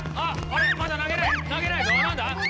まだ投げない投げないぞなんだ？